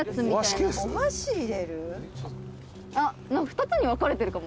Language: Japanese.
藤田：「２つに分かれてるかも。